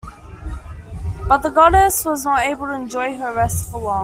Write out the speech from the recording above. But the goddess was not able to enjoy her rest for long.